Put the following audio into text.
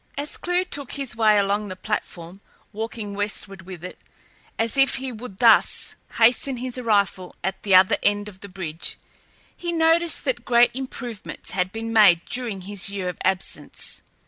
As Clewe took his way along the platform, walking westward with it, as if he would thus hasten his arrival at the other end of the bridge, he noticed that great improvements had been made during his year of absence.